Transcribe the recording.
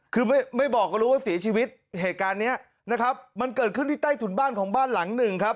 คือไม่ไม่บอกก็รู้ว่าเสียชีวิตเหตุการณ์เนี้ยนะครับมันเกิดขึ้นที่ใต้ถุนบ้านของบ้านหลังหนึ่งครับ